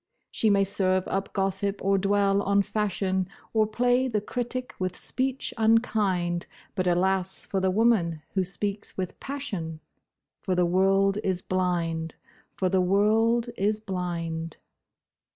She may serve up gossip or dwell on fashion, Or play the critic with speech unkind, But alas for the woman who speaks with passion! For the world is blind—for the world is blind.